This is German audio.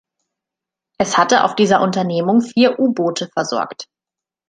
Es hatte auf dieser Unternehmung vier U-Boote versorgt.